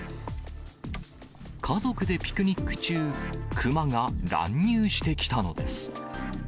家族でピクニック中、熊が乱入してきたのです。